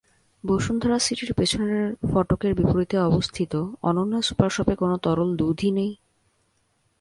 বসুন্ধরা সিটির পেছনের ফটকের বিপরীতে অবস্থিত অনন্যা সুপার শপে কোনো তরল দুধই নেই।